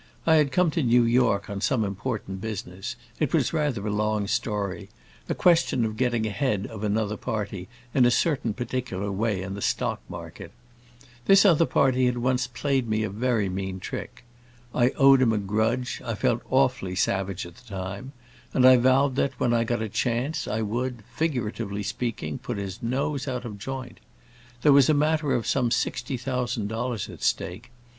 I had come on to New York on some important business; it was rather a long story—a question of getting ahead of another party, in a certain particular way, in the stock market. This other party had once played me a very mean trick. I owed him a grudge, I felt awfully savage at the time, and I vowed that, when I got a chance, I would, figuratively speaking, put his nose out of joint. There was a matter of some sixty thousand dollars at stake.